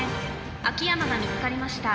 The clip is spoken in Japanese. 秋山が見つかりました。